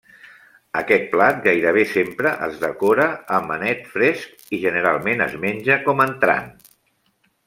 Aquest plat gairebé sempre es decora amb anet fresc i, generalment es menja com entrant.